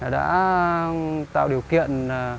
đã tạo điều kiện